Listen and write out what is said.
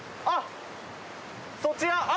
あっそちら。